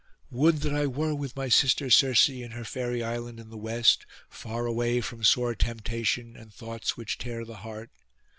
'Would that I were with my sister Circe in her fairy island in the West, far away from sore temptation and thoughts which tear the heart!